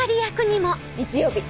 日曜日